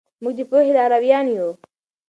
موږ د پوهې لارویان یو.